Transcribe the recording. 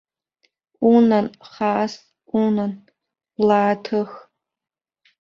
Унан, хаас, унан, блааҭых!